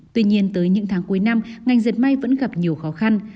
tuy nhiên tới những tháng cuối năm ngành dệt may vẫn gặp nhiều khó khăn